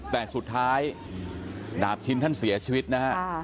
แต่สุดท้ายดาบชินท่านเสียชีวิตนะฮะ